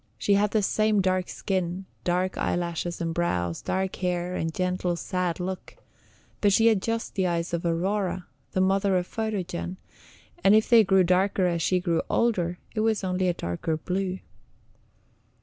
She had the same dark skin, dark eyelashes and brows, dark hair, and gentle, sad look; but she had just the eyes of Aurora, the mother of Photogen, and if they grew darker as she grew older, it was only a darker blue.